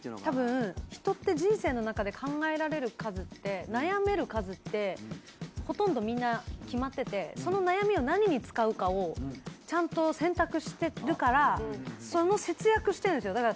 たぶん人って人生の中で考えられる数って悩める数ってほとんどみんな決まっててその悩みを何に使うかをちゃんと選択してるからその節約してるんですよ。